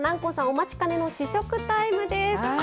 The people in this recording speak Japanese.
お待ちかねの試食タイムです。